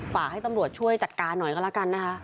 ฝากให้ตำรวจช่วยจัดการหน่อยก็แล้วกันนะคะ